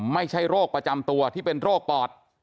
ไม่ใช่โรคประจำตัวที่เป็นโรคปอด